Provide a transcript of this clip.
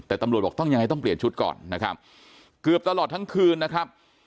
แต่ตำรวจบอกต้องยังไงต้องเปลี่ยนชุดก่อนนะครับเกือบตลอดทั้งคืนนะครับ